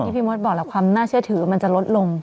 พี่มดบอกแล้วความน่าเชื่อถือมันจะลดลง